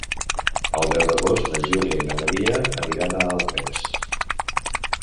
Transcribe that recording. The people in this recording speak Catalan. El deu d'agost na Júlia i na Maria aniran a Alpens.